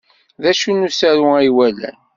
D acu n usaru ay walan?